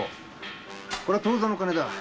これは当座の金だ。